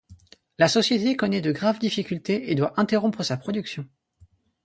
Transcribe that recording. La société connait de graves difficultés et doit interrompre sa production.